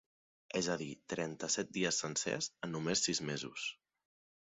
És a dir, trenta-set dies sencers en només sis mesos.